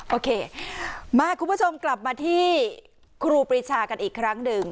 โอเคมาคุณผู้ชมกลับมาที่ครูปรีชากันอีกครั้งหนึ่ง